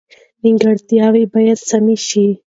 نیمګړتیاوې باید سمې شي.